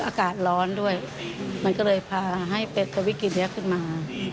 อากาศร้อนด้วยมันก็เลยพาให้เป็นทวิกฤตนี้ขึ้นมา